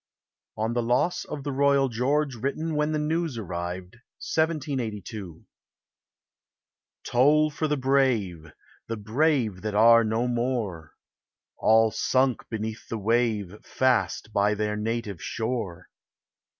ON THE LOSS OF THE ROYAL GEORGE. WRITTEN WHEN THE NEWS ARRIVED; 1782. Toll for the brave, The brave that are no more! All sunk beneath the wave, Fast by their native shore.